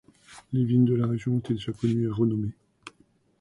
Les vignes de la région étaient déjà connues et renommées.